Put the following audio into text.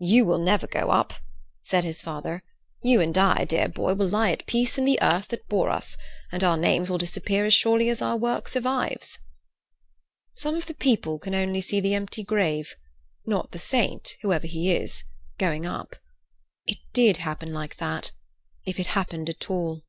"You will never go up," said his father. "You and I, dear boy, will lie at peace in the earth that bore us, and our names will disappear as surely as our work survives." "Some of the people can only see the empty grave, not the saint, whoever he is, going up. It did happen like that, if it happened at all."